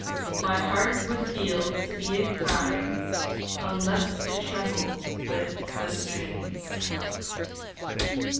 My heart would feel to be a crime Unless it trembled with the strings.